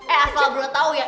eh asal belum tahu ya